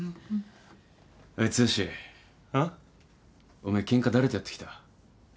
おめえケンカ誰とやってきた？